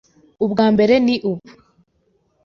ubwa mbere ni ubu